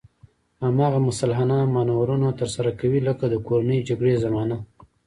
هماغه مسلحانه مانورونه ترسره کوي لکه د کورنۍ جګړې زمانه.